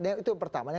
itu yang pertamanya